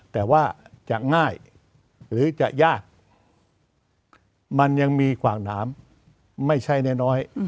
แต่ว่าจะง่ายหรือจะยากมันยังมีกว่างน้ำไม่ใช่น้อย